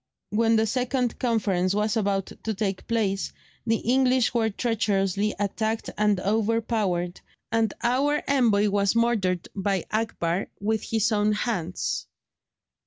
When the second conference was about to take place, the English were treacherously attacked and overpowered, and our envoy was murdered by Akbar with his own hands.